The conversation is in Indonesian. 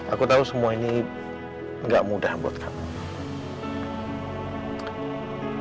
aku tahu semua ini gak mudah buat kamu